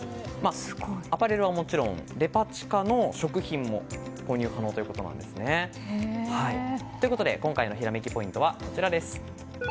アパレルはもちろんデパ地下の食品も購入可能ということです。ということで、今回のひらめきポイントはこちらです。